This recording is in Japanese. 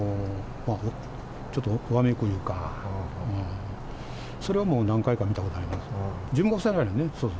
ちょっとわめくというか、それはもう何回か見たことあります。